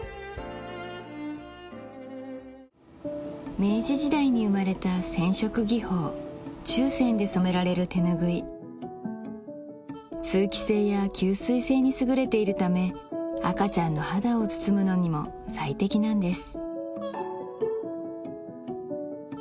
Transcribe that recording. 明治時代に生まれた染色技法注染で染められる手ぬぐい通気性や吸水性に優れているため赤ちゃんの肌を包むのにも最適なんです